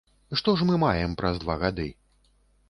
Што ж мы маем праз два гады?